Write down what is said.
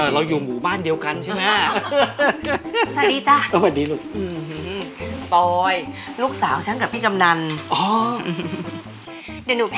เราอยู่หมู่บ้านเดียวกันใช่ไหม